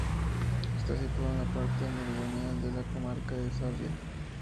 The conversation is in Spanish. Está situado en la parte meridional de la comarca de Sarria.